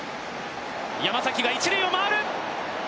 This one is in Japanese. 山崎が一塁を回る！